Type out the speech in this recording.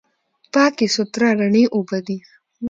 پاکې، سوتره، رڼې اوبه دي.